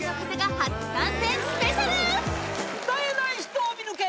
今夜は歌えない人を見抜け！